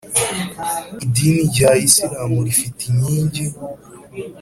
idini rya isilamu rifite inkingi,